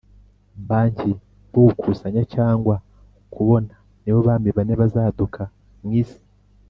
Banki bwo gukusanya cyangwa kubona ni bo bami bane bazaduka mu isi